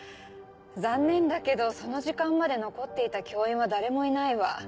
残念だけどその時間まで残っていた教員は誰もいないわ。